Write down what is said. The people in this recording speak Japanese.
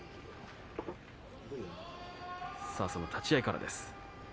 その立ち合いからです。